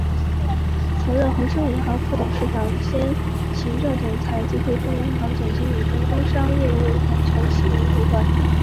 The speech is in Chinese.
曾任恒生银行副董事长兼行政总裁及汇丰银行总经理兼工商业务环球联席主管。